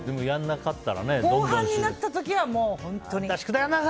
後半になった時は本当に。